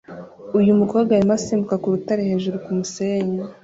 Uyu mukobwa arimo asimbuka ku rutare hejuru yumusenyi